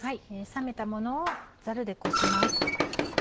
冷めたものをザルでこします。